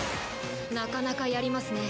なかなかやりますね。